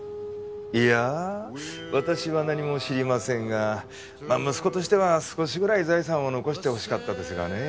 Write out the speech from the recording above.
いや私は何も知りませんが息子としては少しぐらい財産を残してほしかったですがね。